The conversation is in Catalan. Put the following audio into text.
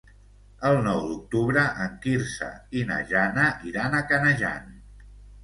El nou d'octubre en Quirze i na Jana iran a Canejan.